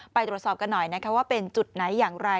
ไปตรวจสอบกันหน่อยนะคะว่าเป็นจุดไหนอย่างไร